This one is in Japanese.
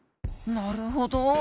なるほど。